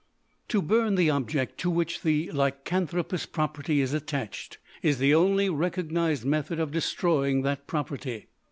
To burn the object to which the lycanthropous property is attached is the only recognized method of destroying that property.